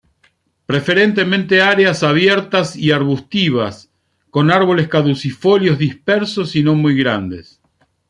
Preferentemente áreas abiertas y arbustivas con árboles caducifolios dispersos y no muy grandes.